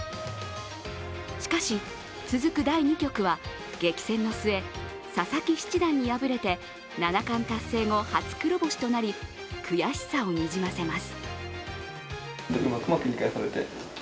しかし、続く第２局は激戦の末佐々木七段に敗れ、七冠達成後、初黒星となり悔しさをにじませます。